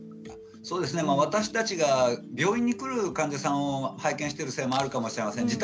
私たちが病院に来る患者さんを拝見してるせいもあるかもしれません。